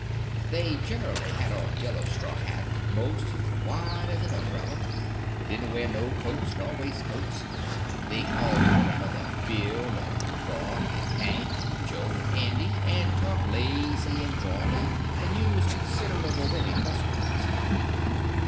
They generly had on yellow straw hats most as wide as an umbrella, but didn't wear no coats nor waistcoats, they called one another Bill, and Buck, and Hank, and Joe, and Andy, and talked lazy and drawly, and used considerable many cuss words.